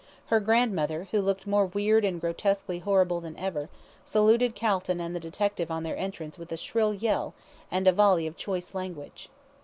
Her grandmother, who looked more weird and grotesquely horrible than ever, saluted Calton and the detective on their entrance with a shrill yell, and a volley of choice language.